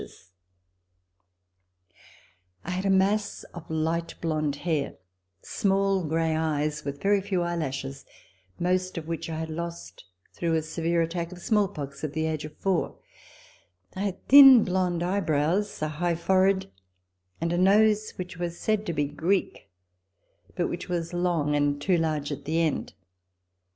RECOLLECTIONS OF THE REVOLUTION I had a mass of light blond hair; small gray eyes, with very few eyelashes, most of which I had lost through a severe attack of smallpox at the age of four; I had thin blond eyebrows; a high forehead, and a nose which was said to be Greek, but which was long and too large at the end.